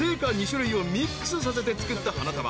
２種類をミックスさせて作った花束］